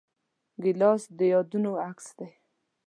ګیلاس د یادونو عکس دی.